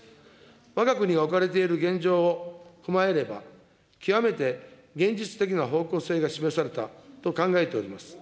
わが国が置かれている現状を踏まえれば、極めて現実的な方向性が示されたと考えております。